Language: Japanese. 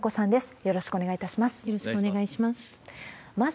よろしくお願いします。